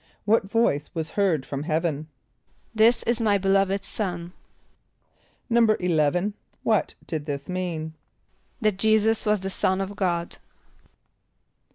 = What voice was heard from heaven? ="This is my beloved Son."= =11.= What did this mean? =That J[=e]´[s+]us was the Son of God.